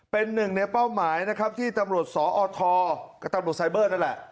เป็นหนึ่งในเป้าหมายนะครับที่ตำรวจสอทกับตำรวจไซเบอร์นั่นแหละ